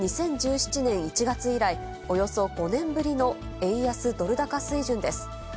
２０１７年１月以来、およそ５年ぶりの円安ドル高水準です。